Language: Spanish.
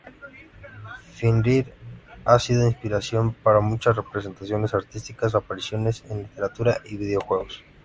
Fenrir ha sido inspiración para muchas representaciones artísticas, apariciones en literatura, y videojuegos.